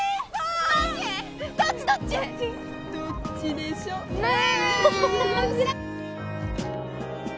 どっちでしょねえ